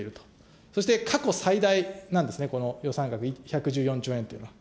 そして過去最大なんですね、この予算額１１４兆円というのは。